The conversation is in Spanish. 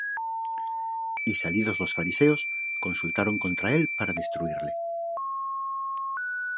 Y salidos los Fariseos, consultaron contra él para destruirle.